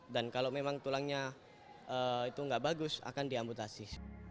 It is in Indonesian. dan kalau memang tulangnya itu gak bagus akan diambutasi